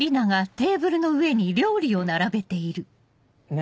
何？